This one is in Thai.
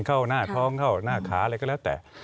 เข้าหน้าท้องเข้าหน้าขาอะไรก็แล้วแต่